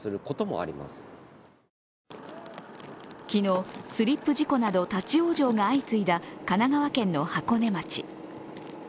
昨日、スリップ事故など立往生が相次いだ神奈川県の箱根町。